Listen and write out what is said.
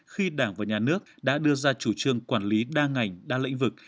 khi đảng và nhà nước đã đưa ra chủ trương quản lý đa ngành đa lĩnh vực